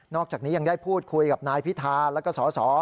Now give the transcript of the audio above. อกจากนี้ยังได้พูดคุยกับนายพิธาแล้วก็สส